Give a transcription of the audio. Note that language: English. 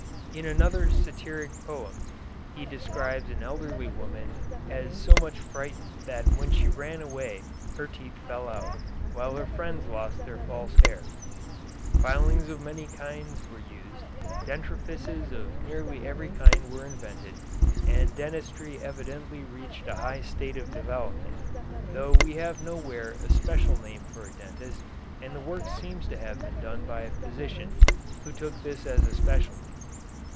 In another satiric poem he describes an elderly woman as so much frightened that when she ran away her teeth fell out, while her friends lost their false hair. Fillings of many kinds were used, dentrifices of nearly every kind were invented, and dentistry evidently reached a high stage of development, though we have nowhere a special name for dentist, and the work seems to have been done by physicians, who took this as a specialty.